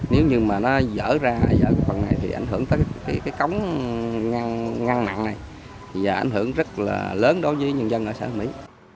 nếu như mà nó dở ra dở phần này thì ảnh hưởng tới cái cống ngăn nặng này và ảnh hưởng rất là lớn đối với nhân dân ở xã hương mỹ